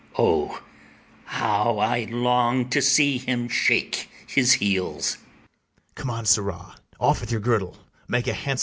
O, how I long to see him shake his heels! BARABAS. Come on, sirrah: Off with your girdle; make a handsome noose.